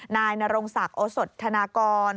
นายณรงศักดิ์อสทนกร